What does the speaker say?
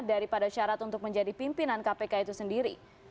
daripada syarat untuk menjadi pimpinan kpk itu sendiri